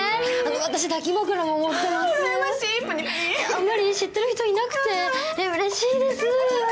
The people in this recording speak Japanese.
あんまり知ってる人いなくてうれしいです。